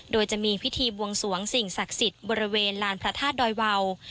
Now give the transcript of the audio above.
โดยจะมีพิธีบวงสวงสิ่งศักดิ์สิทธิ์บริเวณลานพระธาตุดอยวาว